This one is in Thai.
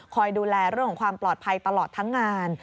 ดูแลเรื่องของความปลอดภัยตลอดทั้งงาน